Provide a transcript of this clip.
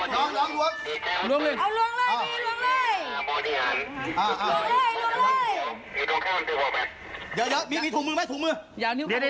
น้องแพร่ปล่อย